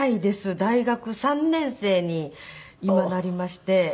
大学３年生に今なりまして。